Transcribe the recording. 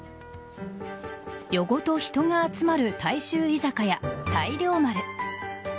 夜ごと人が集まる大衆居酒屋・大漁丸。